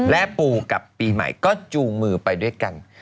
และปูกับปีใหม่ก็จูงมือไปด้วยกัน